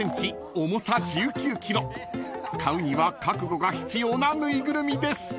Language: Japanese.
［買うには覚悟が必要な縫いぐるみです］